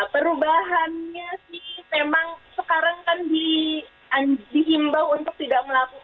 perubahannya sih memang sekarang kan dihimbau untuk tidak melakukan